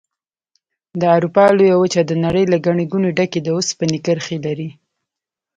د اروپا لویه وچه د نړۍ له ګڼې ګوڼې ډکې د اوسپنې کرښې لري.